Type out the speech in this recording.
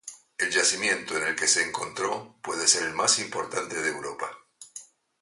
El yacimiento en el que se encontró puede ser el más importante de Europa.